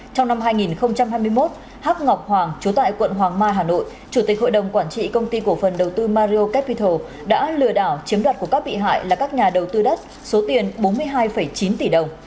trong năm hai nghìn hai mươi một hắc ngọc hoàng chú tại quận hoàng mai hà nội chủ tịch hội đồng quản trị công ty cổ phần đầu tư maro capital đã lừa đảo chiếm đoạt của các bị hại là các nhà đầu tư đất số tiền bốn mươi hai chín tỷ đồng